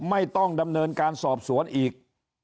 ไม่ต้องดำเนินการสอบสวนอีก